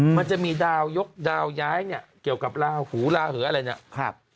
มันจะมีดาวยกดาวย้ายเกี่ยวกับลาหูลาเหืออะไรอย่างนี้